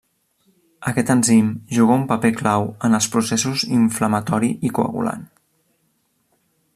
Aquest enzim juga un paper clau en els processos inflamatori i coagulant.